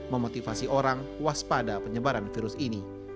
memotivasi orang waspada penyebaran virus ini